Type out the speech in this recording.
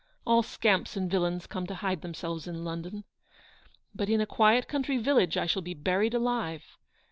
All scamps and villains come to hide themselves in London. But in a quiet country village I shall be buried alive.